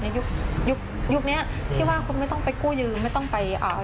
ในยุคยุคยุคชีวาคนไม่ต้องไปกู้ยืมไม่ต้องไปอ่า